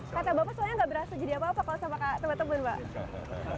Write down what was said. kata bapak soalnya gak berasa jadi apa apa sama temen temen pak